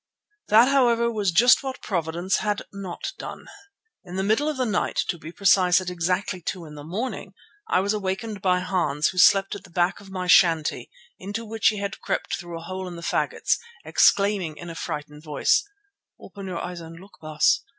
That, however, was just what Providence had not done. In the middle of the night, to be precise, at exactly two in the morning, I was awakened by Hans, who slept at the back of my shanty, into which he had crept through a hole in the faggots, exclaiming in a frightened voice, "Open your eyes and look, Baas.